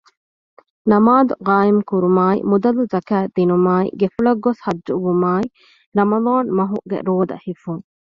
ނަމާދު ޤާއިމު ކުރުމާއި މުދަލު ޒަކާތް ދިނުމާއި ގެފުޅަށް ގޮސް ޙައްޖުވުމާއި ރަމަޟާން މަހުގެ ރޯދަ ހިފުން